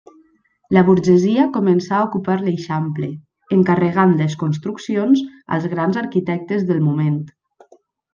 La burgesia començà a ocupar l'Eixample, encarregant les construccions als grans arquitectes del moment.